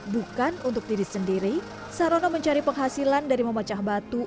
bukan untuk diri sendiri sarono mencari penghasilan dari memecah batu